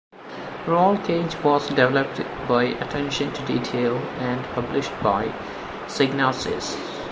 Rollcage was developed by Attention to Detail, and published by Psygnosis.